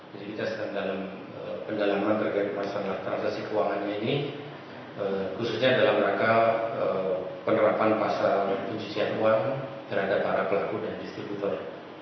jadi kita sedang dalam pendalaman terkait transaksi keuangan ini khususnya dalam rangka penerapan pasal penjajahan uang terhadap para pelaku dan distributor